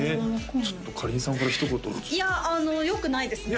ちょっとかりんさんからひと言いやあのよくないですね